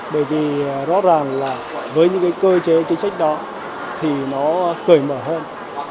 bởi vì rõ ràng là với những cơ chế chính sách đó thì nó khởi mở hơn